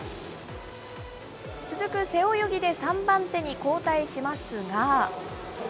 続く背泳ぎで３番手に後退しますが。